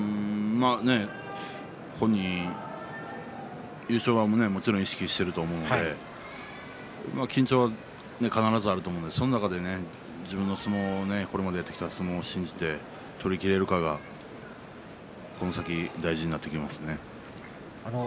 本人、優勝はもちろん意識していると思うので緊張は必ずあると思うのでその中で自分の相撲をこれまでやってきた相撲を信じて取りきることができるかが大事になってくると思います。